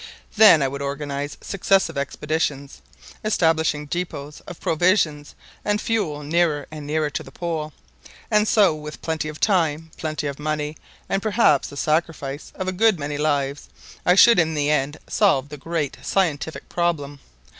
Then I would organise successive expeditions, establishing depôts of provisions and fuel nearer and nearer to the Pole; and so, with plenty of time, plenty of money, and perhaps the sacrifice of a good many lives, I should in the end solve the great scientific problem.